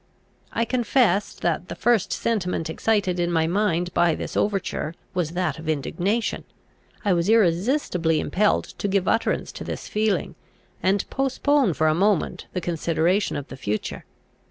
I confess, that the first sentiment excited in my mind by this overture was that of indignation. I was irresistibly impelled to give utterance to this feeling, and postpone for a moment the consideration of the future.